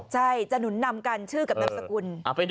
ใช่จะหนุนนำกันชื่อกับนามสกุล